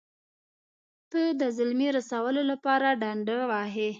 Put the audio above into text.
ته د زلمي رسول لپاره ډنډه وهې.